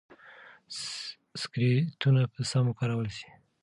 سکرینونه به سم وکارول شي.